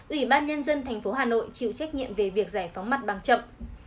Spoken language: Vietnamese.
ủy ban nhân dân thành phố hà nội chịu trách nhiệm về việc giải phóng mặt bằng chậm